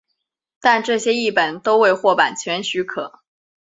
但这些译本都未获版权许可。